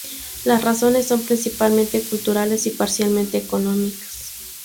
Las razones son principalmente culturales y parcialmente económicas.